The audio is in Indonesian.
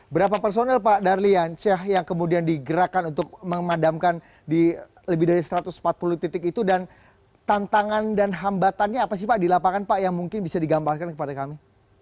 berapa personel pak darliance yang kemudian digerakkan untuk memadamkan di lebih dari satu ratus empat puluh titik itu dan tantangan dan hambatannya apa sih pak di lapangan pak yang mungkin bisa digambarkan kepada kami